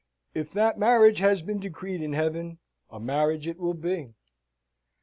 If that marriage has been decreed in Heaven, a marriage it will be."